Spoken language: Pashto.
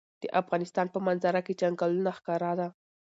د افغانستان په منظره کې چنګلونه ښکاره ده.